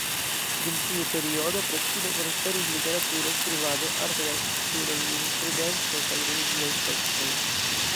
Dum tiu periodo precipe prosperis literaturo, skribado, artoj, arkitekturo, jurisprudenco kaj religiaj tekstoj.